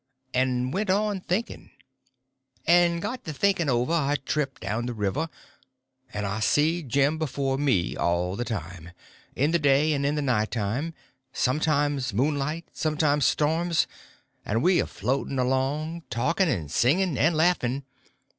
And went on thinking. And got to thinking over our trip down the river; and I see Jim before me all the time: in the day and in the night time, sometimes moonlight, sometimes storms, and we a floating along, talking and singing and laughing.